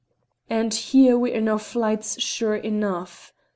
"And here we're in our flights, sure enough!"